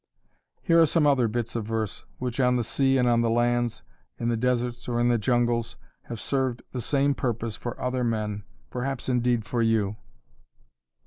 Here are some other bits of verse which on the sea and on the lands, in the deserts or in the jungles have served the same purpose for other men, perhaps indeed for you.